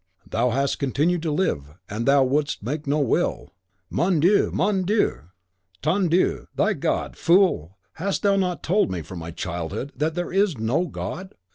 "Thou hast continued to live, and thou wouldst make no will." "Mon Dieu! Mon Dieu!" "TON DIEU! Thy God! Fool! Hast thou not told me, from my childhood, that there is NO God?